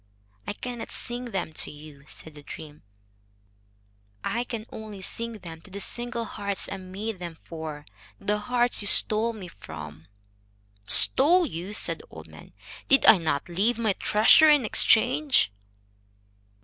"I cannot sing them to you," said the dream. "I can only sing them to the simple hearts I made them for, the hearts you stole me from." "Stole you!" said the old man. "Did I not leave my treasure in exchange?"